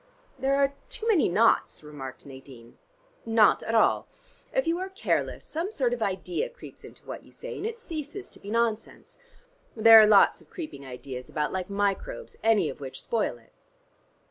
"There are too many 'nots,'" remarked Nadine. "Not at all. If you are careless some sort of idea creeps into what you say, and it ceases to be nonsense. There are lots of creeping ideas about like microbes, any of which spoil it.